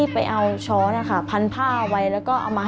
พี่เล้ก